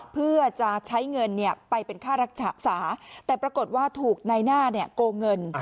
เพื่อจะใช้เงินไปเป็นค่ารักษาสาแต่ปรากฏว่าถูกนายหน้าโกงเงิน